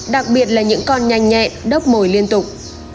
đặc biệt là những con nhanh nhẹ lớp mồi liên tục